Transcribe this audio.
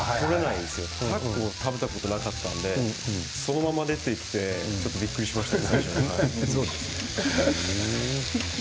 たこを食べたことなかったのでそのまま出てきてちょっとびっくりしましたね。